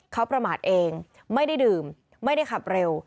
เขาประมาทเองไม่ได้ดื่มไม่ได้ขับเร็ว